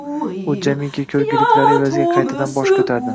U jamiki ko’rgiliklari evaziga qaytadan bosh ko’tardi.